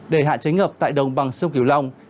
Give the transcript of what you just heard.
đề hạn chánh ngập tại đồng bằng sông kiều long